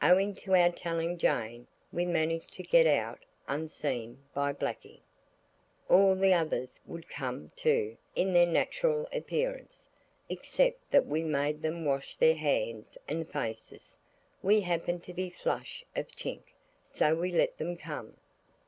Owing to our telling Jane we managed to get out unseen by Blakie. All the others would come, too, in their natural appearance, except that we made them wash their hands and faces. We happened to be flush of chink, so we let them come.